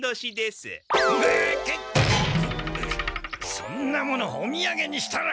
そんなものおみやげにしたら。